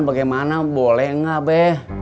bagaimana boleh gak be